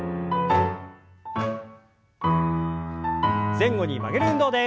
前後に曲げる運動です。